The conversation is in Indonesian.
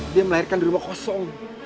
dia melahirkan di rumah kosong